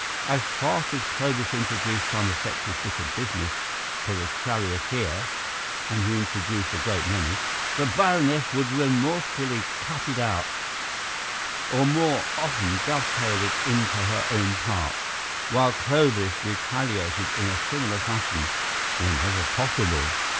As fast as Clovis introduced some effective bit of business for the charioteer (and he introduced a great many), the Baroness would remorselessly cut it out, or more often dovetail it into her own part, while Clovis retaliated in a similar fashion whenever possible.